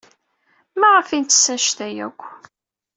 Maɣef ay nettess anect-a akk?